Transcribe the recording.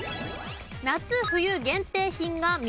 夏・冬限定品が３つ。